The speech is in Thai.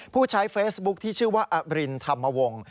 ผู้ใช้เฟซบุ๊คที่ชื่อว่าอรินธรรมวงศ์